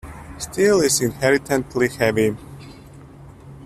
Steel is inherently heavy.